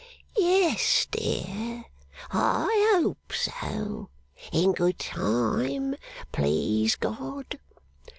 'Yes, my dear, I hope so. In good time, please God.